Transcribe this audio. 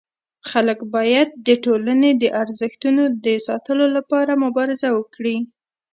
خلک باید د ټولني د ارزښتونو د ساتلو لپاره مبارزه وکړي.